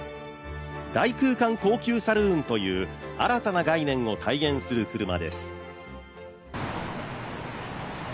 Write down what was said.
大空間高級サルーンという新たな概念を体現する車です。